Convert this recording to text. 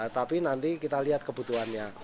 tapi nanti kita lihat kebutuhannya